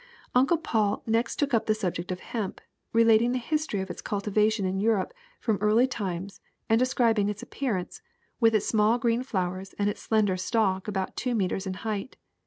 Uncle Paul next took up the subject of hemp, re lating the history of its cultivation in Europe from early times and describing its appearance, with its small green flowers and its slender stalk about two meters in height.